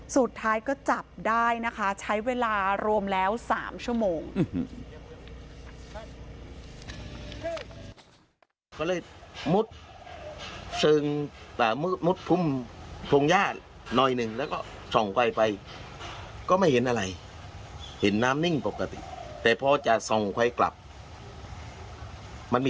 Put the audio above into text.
สุดท้ายก็จับได้นะคะใช้เวลารวมแล้ว๓ชั่วโมง